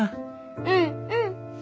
うんうん。